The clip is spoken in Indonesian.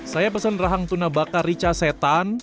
saya pesan rahang tuna bakar rica setan